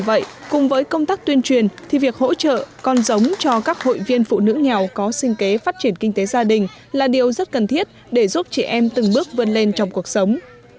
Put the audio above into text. vậy cùng với công tác tuyên truyền thì việc hỗ trợ còn giống cho các hội viên phụ nữ nghèo có sinh kế phát triển kinh tế gia đình là điều rất cần thiết để giúp trẻ em từng bước vươn lên trong cuộc sống